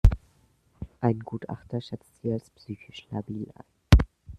Ein Gutachter schätzt sie als psychisch labil ein.